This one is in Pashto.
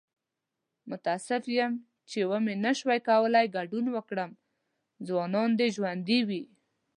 متاسف یم چې و مې نشو کولی ګډون وکړم. ځوانان دې ژوندي وي!